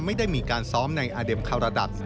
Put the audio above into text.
ไม่ได้มีการซ้อมในอาเด็มคาราดัก